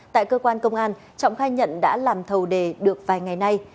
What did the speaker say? tại cơ quan công an trọng khai nhận đã làm thầu đề được vài ngày nay